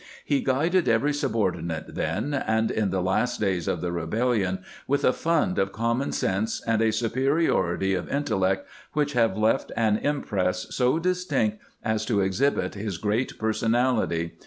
He guided every subordinate then, and in the last days of the rebellion, with a fund of common sense and a superiority of in tellect which have left an impress so distinct as to exhibit his great personality.